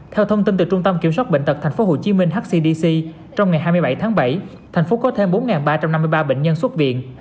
theo thông tin từ trung tâm kiểm soát bệnh tật tp hcm hcdc trong ngày hai mươi bảy tháng bảy thành phố có thêm bốn ba trăm năm mươi ba bệnh nhân xuất viện